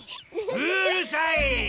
うるさい！